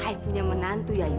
i punya menantu ya you